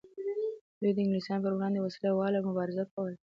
دوی د انګلیسانو پر وړاندې وسله واله مبارزه کوله.